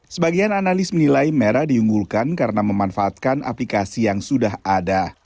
sebagian analis menilai merah diunggulkan karena memanfaatkan aplikasi yang sudah ada